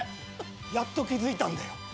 やっと気付いたんだよ。